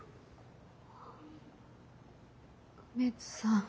梅津さん。